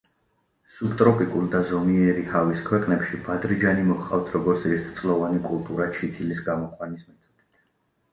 სუბტროპიკულ და ზომიერი ჰავის ქვეყნებში ბადრიჯანი მოჰყავთ როგორც ერთწლოვანი კულტურა ჩითილის გამოყვანის მეთოდით.